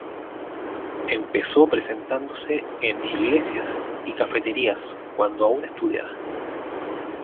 Empezó presentándose en iglesias y cafeterías cuando aún estudiaba.